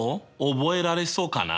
覚えられそうかな？